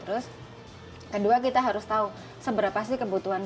terus kedua kita harus tahu seberapa banyak yang kita dapat dapatkan